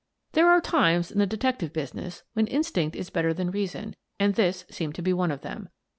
There are times in the detective business when instinct is better than reason, and this seemed to be one of them.